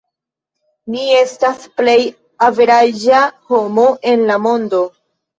Mi estas plej averaĝa homo en la mondo.